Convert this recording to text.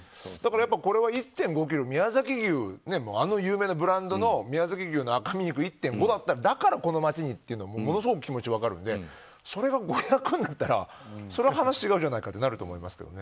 これは１．５ｋｇ宮崎牛、あの有名なブランドの宮崎牛の赤身肉１．５ｋｇだからこの町にというのはすごく分かるのでそれが５００になったらそれは話が違うじゃないかって話になると思いますけどね。